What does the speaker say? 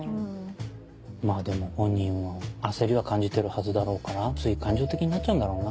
まぁでも本人も焦りは感じてるはずだろうからつい感情的になっちゃうんだろうな。